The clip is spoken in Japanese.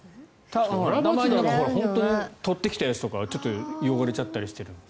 取ってきたやつとかは汚れちゃったりしてるので。